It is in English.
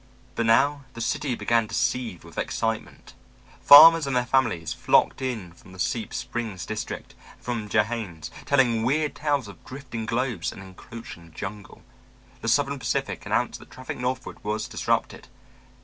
But now the city began to seethe with excitement. Farmers and their families flocked in from the Seep Springs district, and from Jayhnes, telling weird tales of drifting globes and encroaching jungle. The Southern Pacific announced that traffic northward was disrupted.